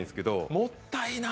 もったいな。